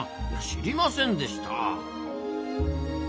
知りませんでした。